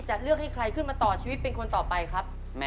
จะเลือกให้ใครขึ้นมาต่อชีวิตเป็นคนต่อไปครับ